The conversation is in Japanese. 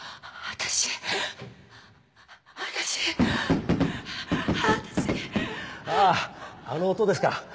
私あぁあの音ですか？